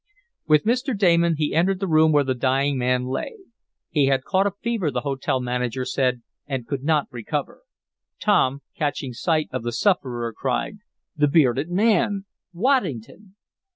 With Mr. Damon he entered the room where the dying man lay. He had caught a fever, the hotel manager said, and could not recover. Tom, catching sight of the sufferer, cried: "The bearded man! Waddington!"